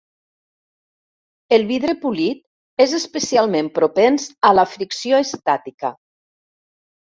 El vidre polit és especialment propens a la fricció estàtica.